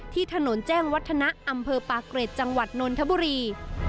ที่ถนนแจ้งวัฒนะอำเภอปากเกร็ดจังหวัดนนทบุรี